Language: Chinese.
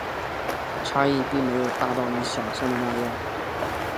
差异并没有大到你想像的那样